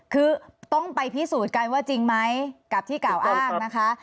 คือต้องไปพิสูจน์กันว่าจริงไหมกับที่กล่าวอ้างนะคะ